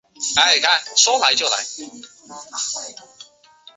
哈尚丘奇格是位于美国亚利桑那州皮马县的一个非建制地区。